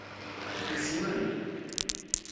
Usmen.